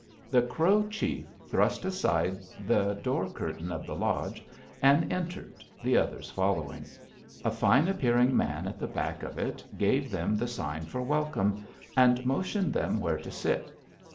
The Crow chief thrust aside the door curtain of the lodge, and entered, the others following. A fine appearing man at the back of it gave them the sign for welcome, and motioned them where to sit.